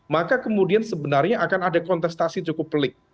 maka kemudian sebenarnya akan ada kontestasi cukup pelik